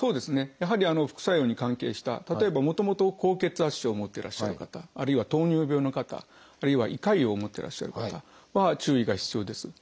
やはり副作用に関係した例えばもともと高血圧症を持ってらっしゃる方あるいは糖尿病の方あるいは胃潰瘍を持ってらっしゃる方は注意が必要です。